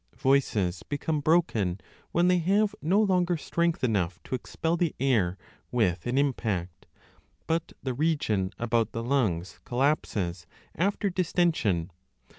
Voices become broken when they have no longer strength enough to expel the air with an impact, but the region about the lungs collapses after distension.